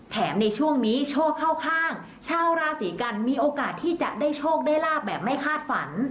ในช่วงนี้โชคเข้าข้างชาวราศีกันมีโอกาสที่จะได้โชคได้ลาบแบบไม่คาดฝัน